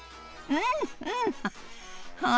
うん。